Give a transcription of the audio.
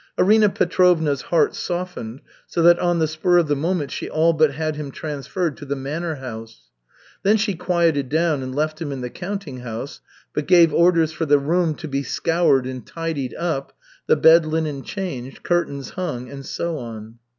Arina Petrovna's heart softened so that on the spur of the moment she all but had him transferred to the manor house. Then she quieted down, and left him in the counting house, but gave orders for the room to be scoured and tidied up, the bed linen changed, curtains hung, and so on.